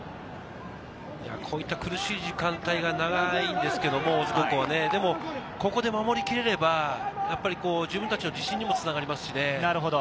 こういった苦しい時間帯が長いんですけれど大津高校は、ここで守りきれれば、自分たちの自信にもつながりますしね。